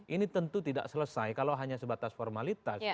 ini tentu tidak selesai kalau hanya sebatas formalitas